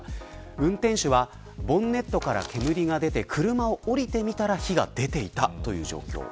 運転手はボンネットから煙が出て車を降りてみたら火が出ていた、という状況。